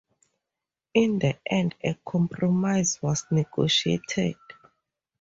In the end, a compromise was negotiated.